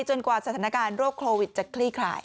กว่าสถานการณ์โรคโควิดจะคลี่คลาย